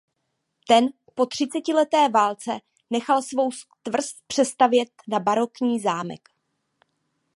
Ten po třicetileté válce nechal starou tvrz přestavět na barokní zámek.